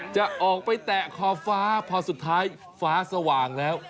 จะออกไปแตะขอบฟ้าพอสุดท้ายฟ้าสว่างแล้ว